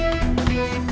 cewe bukan bapak bapak